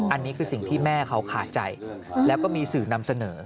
อันนี้คือสิ่งที่แม่เขาขาดใจแล้วก็มีสื่อนำเสนอ